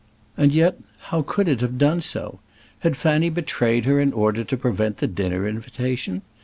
and yet, how could it have done so? Had Fanny betrayed her in order to prevent the dinner invitation?